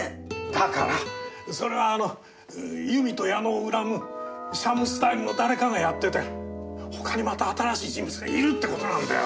だからそれはあの由美と矢野を恨むシャムスタイルの誰かがやってて他にまた新しい人物がいるって事なんだよ。